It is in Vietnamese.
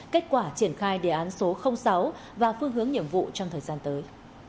kết quả triển khai đề án số sáu và phương hướng nhiệm vụ trong thời gian tới